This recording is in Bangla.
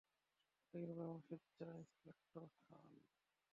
এটাই হবে আমার শেষ চাওয়া, ইন্সপেক্টর খান।